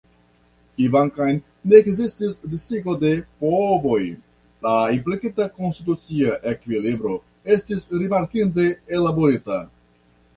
Kvankam ne ekzistis disigo de povoj, la implikita konstitucia ekvilibro estis rimarkinde ellaborita.